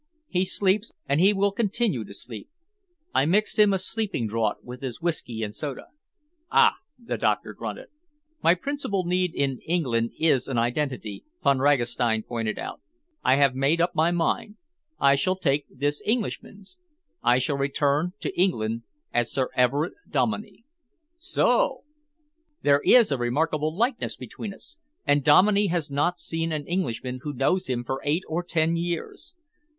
He sleeps and he will continue to sleep. I mixed him a sleeping draught with his whisky and soda." "Ah!" the doctor grunted. "My principal need in England is an identity," Von Ragastein pointed out. "I have made up my mind. I shall take this Englishman's. I shall return to England as Sir Everard Dominey." "So!" "There is a remarkable likeness between us, and Dominey has not seen an Englishman who knows him for eight or ten years.